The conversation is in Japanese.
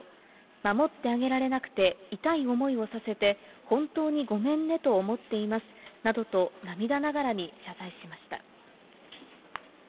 守ってあげられなくて、痛い思いをさせて、本当にごめんねと思っていますなどと涙ながらに謝罪しました。